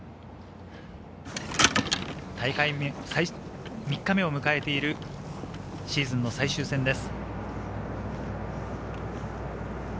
大会３日目を迎えているシーズン最終戦です。